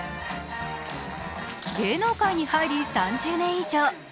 芸能界に入り３０年以上。